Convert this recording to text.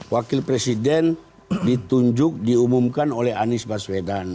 wakil presiden ditunjuk diumumkan oleh anies baswedan